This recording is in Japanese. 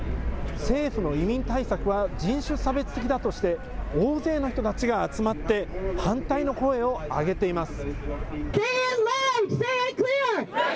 政府の移民対策は人種差別的だとして、大勢の人たちが集まって、反対の声を上げています。